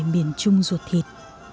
miền trung ruột thịt